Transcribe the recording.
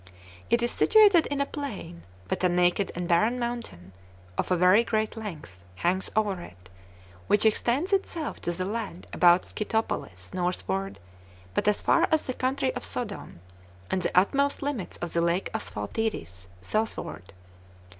It is situated in a plain; but a naked and barren mountain, of a very great length, hangs over it, which extends itself to the land about Scythopolis northward, but as far as the country of Sodom, and the utmost limits of the lake Asphaltites, southward.